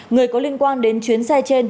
người có liên quan đến chuyến xe trên